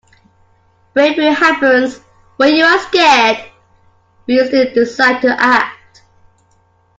Bravery happens when you are scared, but you still decide to act.